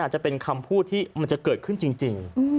จะเป็นคำพูดที่มันจะเกิดขึ้นจริง